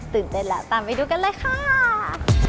เต้นแล้วตามไปดูกันเลยค่ะ